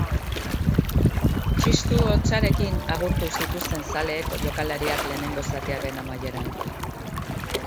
Txistu hotsarekin agurtu zituzten zaleek jokalariak lehenengo zatiaren amaieran.